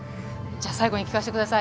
最後に聞かせてください。